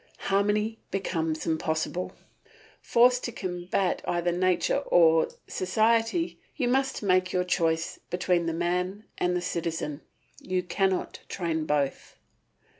Harmony becomes impossible. Forced to combat either nature or society, you must make your choice between the man and the citizen, you cannot train both.